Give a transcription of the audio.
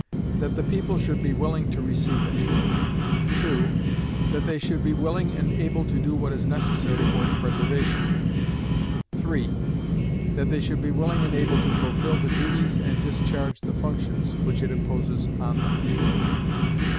That the people should be willing to receive it. 2. That they should be willing and able to do what is necessary for its preservation. 3. That they should be willing and able to fulfill the duties and discharge the functions which it imposes on them.